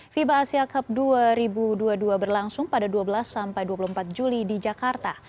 fiba asia cup dua ribu dua puluh dua berlangsung pada dua belas sampai dua puluh empat juli di jakarta